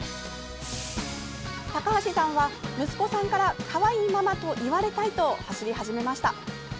高橋さんは、息子さんからかわいいママと言われたいと走り始めました。